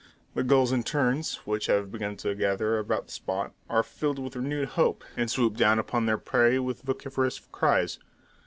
The gulls and terns, which have begun to gather about the spot, are filled with renewed hope, and swoop down upon their prey with vociferous cries.